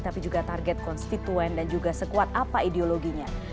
tapi juga target konstituen dan juga sekuat apa ideologinya